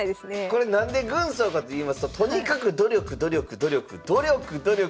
これ何で軍曹かといいますととにかく努力努力努力努力努力